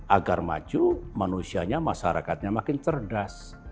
agar maju manusianya masyarakatnya makin cerdas